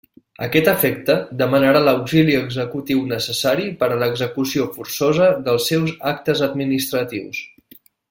A aquest efecte, demanarà l'auxili executiu necessari per a l'execució forçosa dels seus actes administratius.